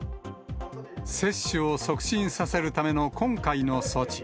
接種を促進させるための今回の措置。